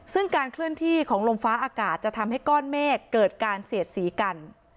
ซึ่งการเคลื่อนที่ของลมฟ้าอากาศจะทำให้ก้อนเมฆเกิดการเสียดสีกัน